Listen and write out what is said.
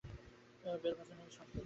Bell বাজানোটাই সংকেত।